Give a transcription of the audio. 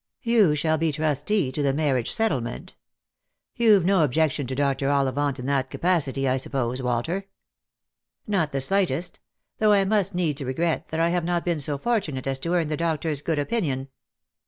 You shall be trustee to the marriage set tlement. You've no objection to Dr. Ollivant in that capacity, I suppose, Walter ?"" Not the slightest ; though I must needs regret that I have not been so fortunate as to earn the doctor's good opinion."